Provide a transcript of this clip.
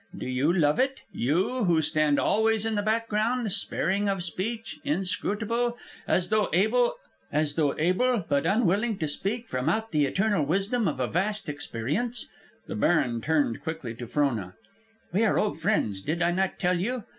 Do you love it? you, who stand always in the background, sparing of speech, inscrutable, as though able but unwilling to speak from out the eternal wisdom of a vast experience." The baron turned quickly to Frona. "We are old friends, did I not tell you?